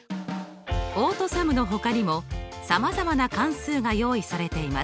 オートＳＵＭのほかにもさまざまな関数が用意されています。